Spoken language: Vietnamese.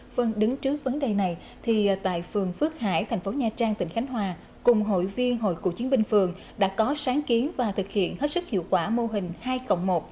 vâng đứng trước vấn đề này thì tại phường phước hải thành phố nha trang tỉnh khánh hòa cùng hội viên hội cựu chiến binh phường đã có sáng kiến và thực hiện hết sức hiệu quả mô hình hai cộng một